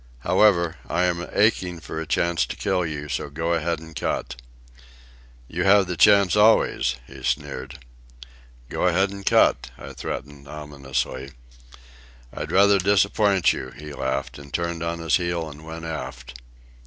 "However, I am aching for a chance to kill you, so go ahead and cut." "You have the chance always," he sneered. "Go ahead and cut," I threatened ominously. "I'd rather disappoint you," he laughed, and turned on his heel and went aft.